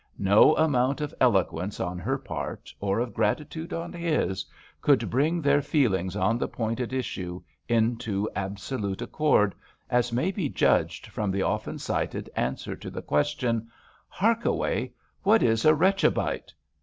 No amount of eloquence on her part, or of gratitude on his, could bring their feel ings on the point at issue into absolute accord, as may be judged from the often cited answer to the question :" Harkaway, what is a Rechabite